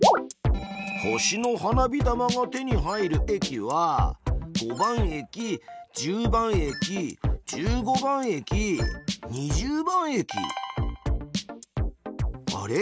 星の花火玉が手に入る駅は５番駅１０番駅１５番駅２０番駅あれ？